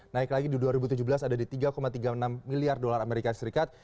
naik lagi di dua ribu tujuh belas ada di tiga tiga puluh enam miliar dolar amerika serikat